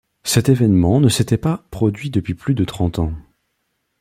Cet événement ne s'était pas produit depuis plus de trente ans.